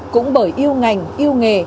cũng bởi yêu ngành yêu nghề